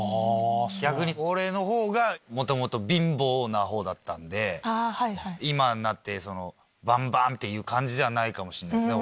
逆に俺の方が元々貧乏な方だったんで今になってバンバン！っていう感じではないかもしれないです。